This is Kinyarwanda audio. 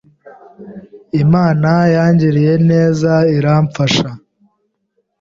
Imana yangiriye neza iramfasha